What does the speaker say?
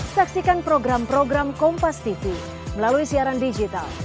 saksikan program program kompastv melalui siaran digital